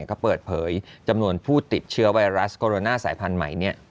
เขาเปิดเผยจำนวนผู้ติดเชื้อไวรัสโคโรนาสายพันธุ์ใหม่